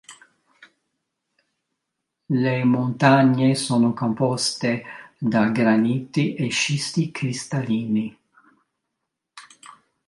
Le montagne sono composte da graniti e scisti cristallini.